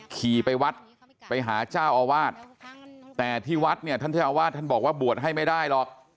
ขี่ไปวัดไปหาเจ้าอาวาสแต่ที่วัดเนี่ยท่านเจ้าอาวาสท่านบอกว่าบวชให้ไม่ได้หรอก